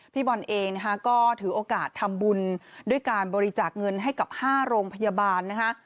พี่บอลเองนะคะก็ถือโอกาสทำบุญด้วยการบริจาคเงินให้กับ๕โรงพยาบาลนะคะ